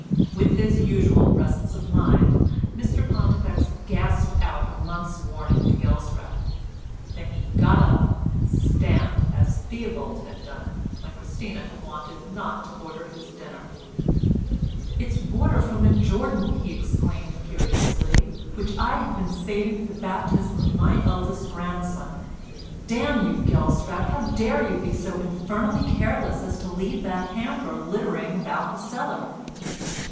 With his usual presence of mind Mr Pontifex gasped out a month's warning to Gelstrap. Then he got up, and stamped as Theobald had done when Christina had wanted not to order his dinner. "It's water from the Jordan," he exclaimed furiously, "which I have been saving for the baptism of my eldest grandson. Damn you, Gelstrap, how dare you be so infernally careless as to leave that hamper littering about the cellar?"